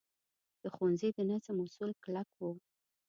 د ښوونځي د نظم اصول کلک وو.